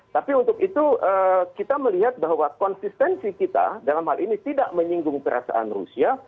tapi untuk itu kita melihat bahwa konsistensi kita dalam hal ini tidak menyinggung perasaan rusia